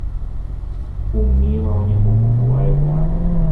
Umíva oñembopupu are porã